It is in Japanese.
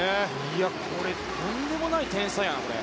これとんでもない天才やん。